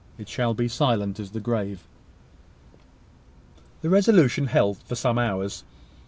It shall be as silent as the grave." The resolution held for some hours.